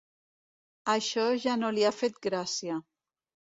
Això ja no li ha fet gràcia.